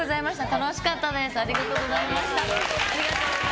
楽しかったです。